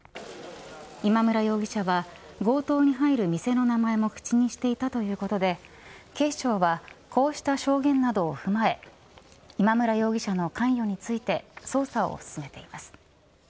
今村容疑者は強盗に入る店の名前も口にしていたということで警視庁はこうした証言などを踏まえ今村容疑者の関与について捜査を進めています。